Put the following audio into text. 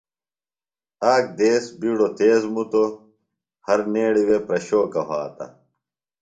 آک دیس بیڈو تیز مُتو۔ ہرنیڑی وے پرشوکہ وھاتہ ۔